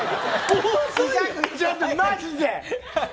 ちょっとマジで！